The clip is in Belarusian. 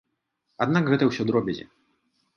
Аднак гэта ўсё дробязі.